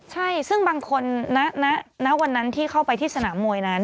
ใช่ซึ่งบางคนณวันนั้นที่เข้าไปที่สนามมวยนั้น